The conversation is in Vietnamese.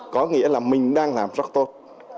có nghĩa là mình đang làm rất tốt